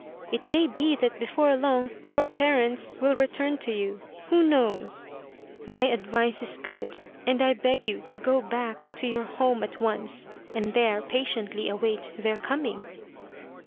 It may be that before long your parents will return to you, who knows ! My advice is good, and I beg you to go back to your home at once, and there patiently await their coming."